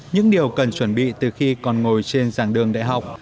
những điều cần chuẩn bị từ khi còn ngồi trên dạng đường đại học